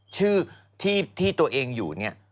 ชื่อที่ตัวเองอยู่